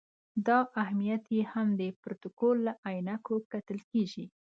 دا اهمیت یې هم د پروتوکول له عینکو کتل کېږي.